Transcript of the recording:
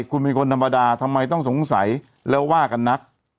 คุณเป็นคนธรรมดาทำไมต้องสงสัยแล้วว่ากันนัก